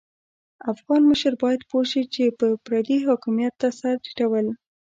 افغان مشر بايد پوه شي چې پردي حاکميت ته سر ټيټول.